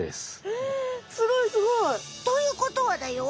えすごいすごい！ということはだよ